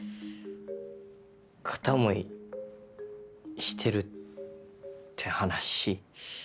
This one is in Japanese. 片思いしてるって話。